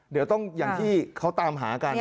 เดี๋ยวต้องอย่างที่เขาตามหากัน